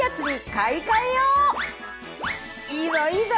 いいぞいいぞ！